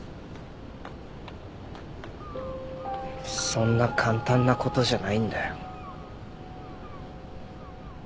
そんな簡単なことじゃないんだよ。